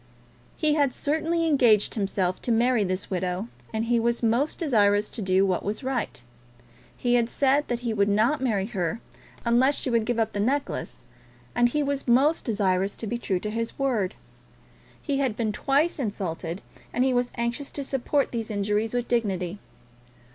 He had certainly engaged himself to marry this widow, and he was most desirous to do what was right. He had said that he would not marry her unless she would give up the necklace, and he was most desirous to be true to his word. He had been twice insulted, and he was anxious to support these injuries with dignity.